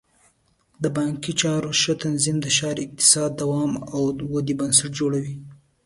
د بانکي چارو ښه تنظیم د ښاري اقتصاد د دوام او ودې بنسټ جوړوي.